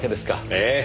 ええ。